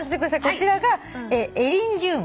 こちらがエリンジウム。